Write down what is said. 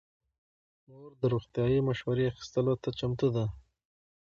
مور د روغتیايي مشورې اخیستلو ته چمتو ده.